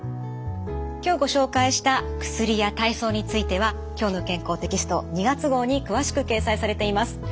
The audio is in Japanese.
今日ご紹介した薬や体操については「きょうの健康」テキスト２月号に詳しく掲載されています。